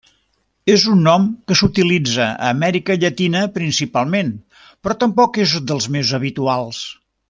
És un nom que s'utilitza a Amèrica llatina principalment, però tampoc és dels més habituals.